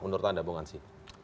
menurut anda bung ansi